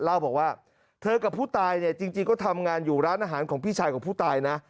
เล่าบอกว่าเธอกับผู้ตายเนี่ยจริงก็ทำงานอยู่ร้านอาหารของพี่ชายของผู้ตายนะ